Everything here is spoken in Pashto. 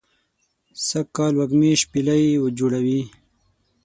سږ کال وږمې شپیلۍ جوړوی